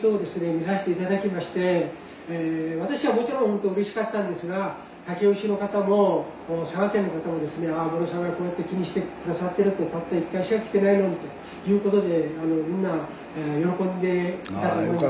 見させて頂きまして私はもちろんほんとうれしかったんですが武雄市の方も佐賀県の人もですねムロさんがこうやって気にして下さってるとたった１回しか来てないのにということでみんな喜んでいたと思います。